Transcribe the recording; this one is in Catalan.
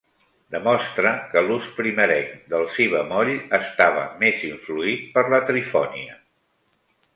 Demostra que l'ús primerenc del si bemoll estava més influït per la trifonia.